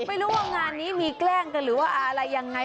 ไม่รู้ว่างานนี้มีแกล้งกันหรือว่าอะไรยังไง